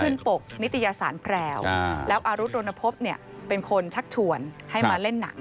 ปกนิตยสารแพรวแล้วอารุษรณพบเนี่ยเป็นคนชักชวนให้มาเล่นหนัง